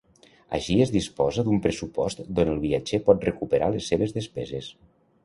Així es disposa d'un pressupost d'on el viatger pot recuperar les seves despeses.